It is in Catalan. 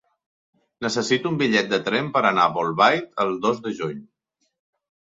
Necessito un bitllet de tren per anar a Bolbait el dos de juny.